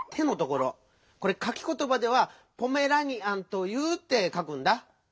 これかきことばでは「ポメラニアンという」ってかくんだ。